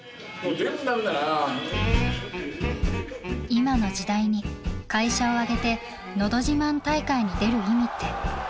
今の時代に会社を挙げてのど自慢大会に出る意味って何だろう？